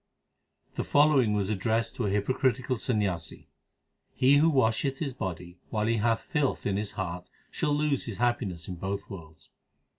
The following was addressed to a hypocritical Sanyasi : He who washeth his body while he hath filth in his heart shall lose his happiness in both worlds.